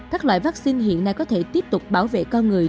các loại vaccine hiện nay có thể tiếp tục bảo vệ con người